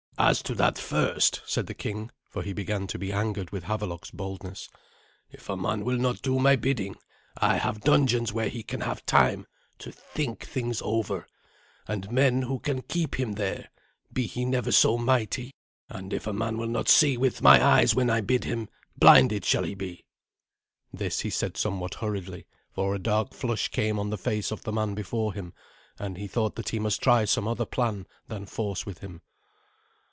"As to that first," said the king, for he began to be angered with Havelok's boldness, "if a man will not do my bidding, I have dungeons where he can have time to think things over, and men who can keep him there, be he never so mighty; and if a man will not see with my eyes when I bid him, blinded shall he be." This he said somewhat hurriedly, for a dark flush came on the face of the man before him, and he thought that he must try some other plan than force with him.